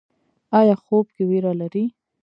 ایا خوب کې ویره لرئ؟